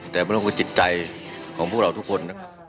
แต่ไม่ต้องเรียกจิตใจของพวกเราทุกคน